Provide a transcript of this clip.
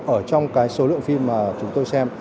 ở trong cái số lượng phim mà chúng tôi xem